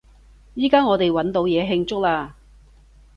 依加我哋搵到嘢慶祝喇！